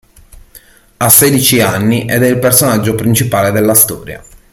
Ha sedici anni ed è il personaggio principale della storia.